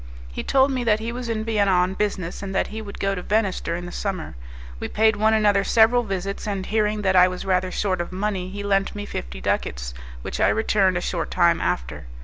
He told me that he was in Vienna on business, and that he would go to Venice during the summer. We paid one another several visits, and hearing that I was rather short of money he lent me fifty ducats, which I returned a short time after.